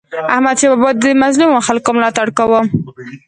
احمدشاه بابا به د مظلومو خلکو ملاتړ کاوه.